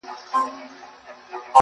o زه زما او ستا و دښمنانو ته.